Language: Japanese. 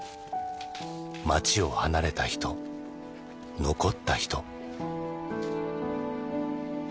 町を離れた人残った人。